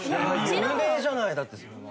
有名じゃないだってそれは。